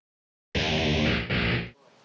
kayaknya lu pengen ble chungpa minggu ini